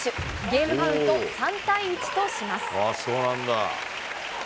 ゲームカウント３対１とします。